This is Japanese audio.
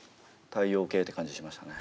太陽系って感じしましたね。